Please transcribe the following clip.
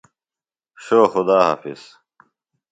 شو خدا حافظ۔